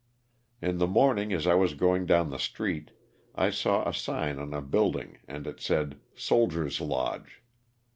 In the morning as I was going down the street I saw a sign on a building and it said " Soldier's Lodge."